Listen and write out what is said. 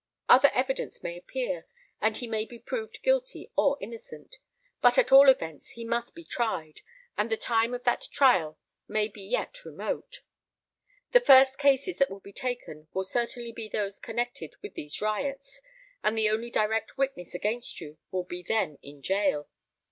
Other evidence may appear, and he may be proved guilty or innocent; but, at all events, he must be tried, and the time of that trial may be yet remote. The first cases that will be taken will certainly be those connected with these riots, and the only direct witness against you will be then in jail."